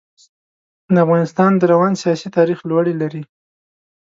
د افغانستان د روان سیاسي تاریخ لوړې لري.